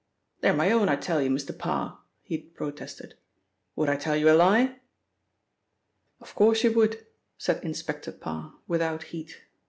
"They're my own, I tell you, Mr. Parr," he protested. "Would I tell you a lie?" "Of course you would," said Inspector Parr without heat.